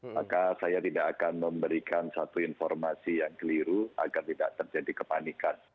maka saya tidak akan memberikan satu informasi yang keliru agar tidak terjadi kepanikan